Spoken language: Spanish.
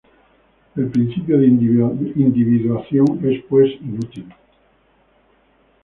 El principio de individuación es pues inútil.